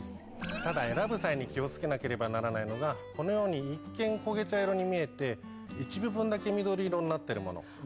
ただ選ぶ際に気を付けなければならないのがこのように一見焦げ茶色に見えて一部分だけ緑色になってるもの。